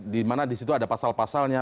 dimana disitu ada pasal pasalnya